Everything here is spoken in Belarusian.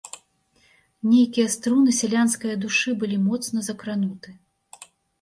Нейкія струны сялянскае душы былі моцна закрануты.